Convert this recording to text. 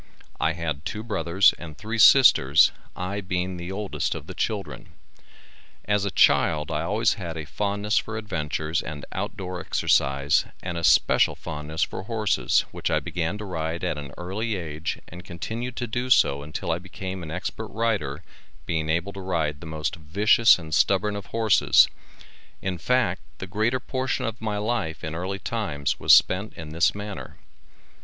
I had two brothers and three sisters, I being the oldest of the children. As a child I always had a fondness for adventure and out door exercise and especial fondness for horses which I began to ride at an early age and continued to do so until I became an expert rider being able to ride the most vicious and stubborn of horses, in fact the greater portion of my life in early times was spent in this manner.